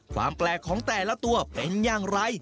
ความแปลกของแต่ละตัวเป็นอย่างไร